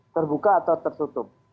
terbuka atau tertutup